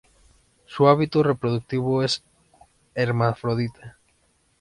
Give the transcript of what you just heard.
Su hábito reproductivo es hermafrodita.